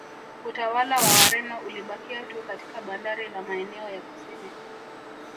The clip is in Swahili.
Utawala wa Wareno ulibakia tu katika bandari na maeneo ya kusini